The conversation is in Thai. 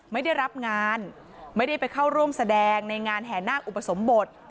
ไม่ได้รับงานไม่ได้ไปเข้าร่วมแสดงในงานแห่นาคอุปสมบท